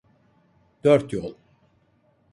Dörtyol